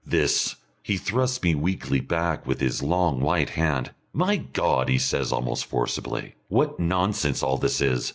This " He thrusts me weakly back with his long, white hand. "My God!" he says almost forcibly, "what nonsense all this is!